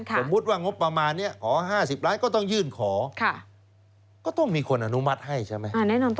สมมุติว่างบประมาณนี้ขอ๕๐ล้านก็ต้องยื่นขอก็ต้องมีคนอนุมัติให้ใช่ไหม